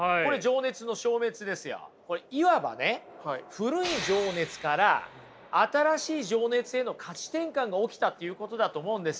古い情熱から新しい情熱への価値転換が起きたっていうことだと思うんですよ。